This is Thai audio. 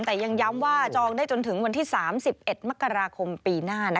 แต่ยังย้ำว่าจองได้จนถึงวันที่๓๑มกราคมปีหน้า